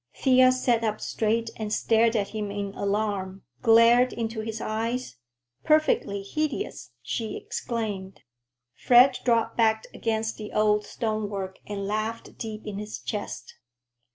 Thea sat up straight and stared at him in alarm, glared into his eyes. "Perfectly hideous!" she exclaimed. Fred dropped back against the old stonework and laughed deep in his chest.